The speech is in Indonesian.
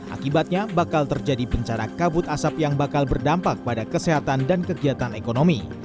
akibatnya bakal terjadi bencana kabut asap yang bakal berdampak pada kesehatan dan kegiatan ekonomi